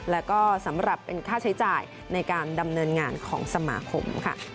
แล้วก็สำหรับเป็นค่าใช้จ่ายในการดำเนินงานของสมาคมค่ะ